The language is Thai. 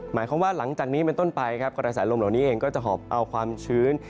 หมายความว่าหลังจากนี้เป็นต้นไปครับกระแสลมเหล่านี้เองก็จะหอบเอาความชื้น